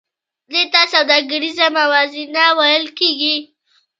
دې ته سوداګریزه موازنه ویل کېږي